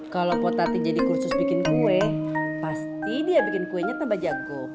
kalau potati jadi kursus bikin kue pasti dia bikin kuenya tambah jago